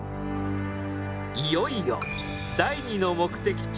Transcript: いよいよ第２の目的地